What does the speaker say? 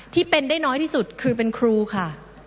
ที่เป็นได้น้อยที่สุดคือเป็นครูค่ะ